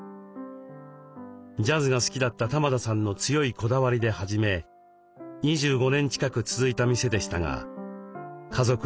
ジャズが好きだった玉田さんの強いこだわりで始め２５年近く続いた店でしたが家族の中で跡を継ぐ人はいませんでした。